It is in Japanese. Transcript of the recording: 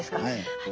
はい。